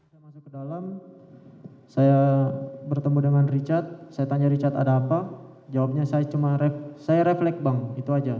saya masuk ke dalam saya bertemu dengan richard saya tanya richard ada apa jawabnya saya cuma saya refleks bang itu aja